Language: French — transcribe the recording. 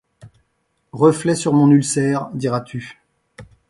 Reflet sur mon ulcère, diras-tu.